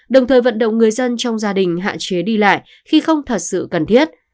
đồng thời vận động người dân trong gia đình hạn chế đi lại khi không thật sự cần thiết